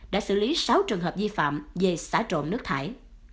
đã xử lý sáu trường hợp vi phạm về xả trộn nước thải